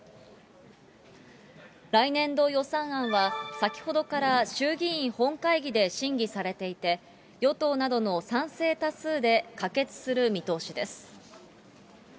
来年度予算案は、先ほどから衆議院本会議で審議されていて、与党などの賛成多数で可決する見通しです。